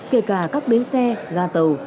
kể cả các bến xe ga tàu